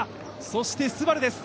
そしてＳＵＢＡＲＵです。